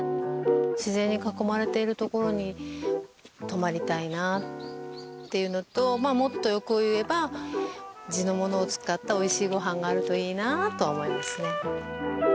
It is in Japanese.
自然に囲まれている所に泊まりたいなっていうのともっと欲を言えば地の物を使ったおいしいご飯があるといいなと思いますね。